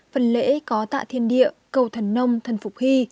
phần lễ có tạ thiên địa cầu thần nông thần phục hy